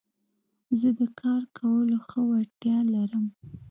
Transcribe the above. زه د کار کولو ښه وړتيا لرم.